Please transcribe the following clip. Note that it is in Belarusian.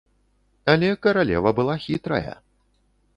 Але каралева была хітрая.